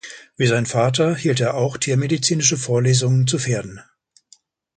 Wie sein Vater hielt er auch tiermedizinische Vorlesungen zu Pferden.